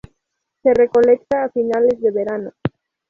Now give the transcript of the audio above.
Se recolecta a finales de verano.